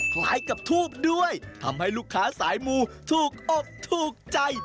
คล้ายกับทูบด้วยทำให้ลูกค้าสายมูถูกอกถูกใจ